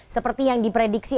seperti yang diprediksi